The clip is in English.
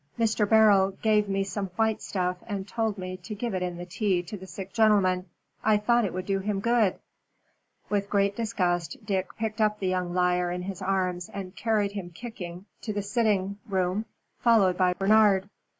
Mr. Beryl gave me some white stuff and told me to give it in tea to the sick gentleman. I thought it would do him good!" With great disgust Dick picked up the young liar in his arms and carried him kicking to the sitting room, followed by Bernard.